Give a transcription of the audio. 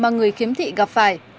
một người kiếm thị gặp phải